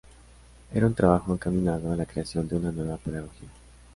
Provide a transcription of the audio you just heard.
Era un trabajo encaminado a la creación de una nueva pedagogía.